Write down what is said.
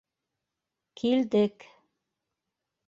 - Килдек.